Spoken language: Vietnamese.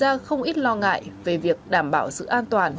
điều này đặt ra không ít lo ngại về việc đảm bảo sự an toàn